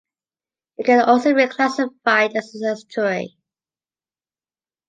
It can also be classified as an estuary.